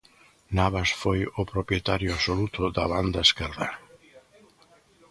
Navas foi o propietario absoluto da banda esquerda.